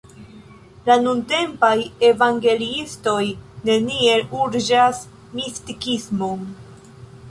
La nuntempaj evangeliistoj neniel urĝas mistikismon.